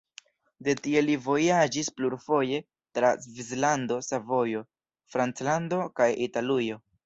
De tie li vojaĝis plurfoje tra Svislando, Savojo, Franclando kaj Italujo.